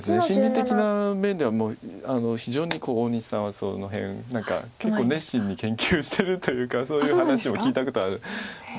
心理的な面では非常に大西さんはその辺何か結構熱心に研究してるというかそういう話を聞いたことある。